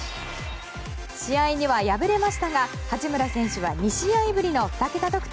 試合には敗れましたが八村選手は２試合ぶりの２桁得点。